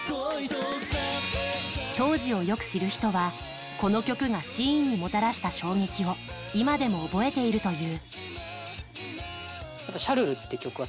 当時をよく知る人は、この曲がシーンにもたらした衝撃を今でも覚えているという。